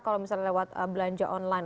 kalau misalnya lewat belanja online